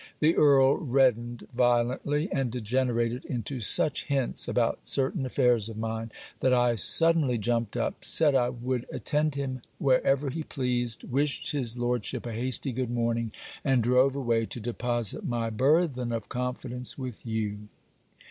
The Earl reddened violently; and degenerated into such hints about certain affairs of mine that I suddenly jumped up, said I would attend him wherever he pleased, wished his lordship a hasty good morning, and drove away to deposit my burthen of confidence with you.